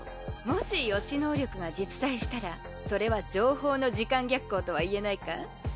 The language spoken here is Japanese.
もし予知能力が実在したらそれは情報の時間逆行とは言えないか？